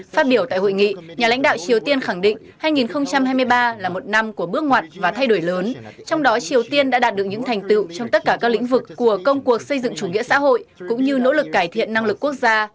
phát biểu tại hội nghị nhà lãnh đạo triều tiên khẳng định hai nghìn hai mươi ba là một năm của bước ngoặt và thay đổi lớn trong đó triều tiên đã đạt được những thành tựu trong tất cả các lĩnh vực của công cuộc xây dựng chủ nghĩa xã hội cũng như nỗ lực cải thiện năng lực quốc gia